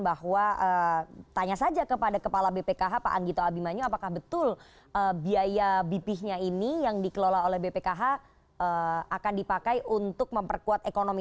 bahwa tanya saja kepada kepala bpkh pak anggito abimanyu apakah betul biaya bph nya ini yang dikelola oleh bpkh akan dipakai untuk memperkuat ekonomi